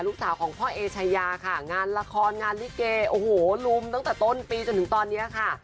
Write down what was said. ลูกสาวของพ่อเอชายาค่ะงานละครงานลิเกโอ้โหลุมตั้งแต่ต้นปีจนถึงตอนนี้ค่ะ